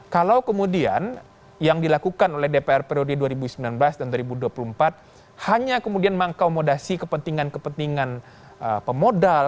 kalau kemudian yang dilakukan oleh dpr periode dua ribu sembilan belas dan dua ribu dua puluh empat hanya kemudian mengakomodasi kepentingan kepentingan pemodal